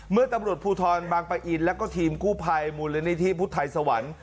เมื่อตำรวจภูทรบางปะอินแล้วก็ทีมกู้ภัยมูลนิธิพุทธไทยสวรรค์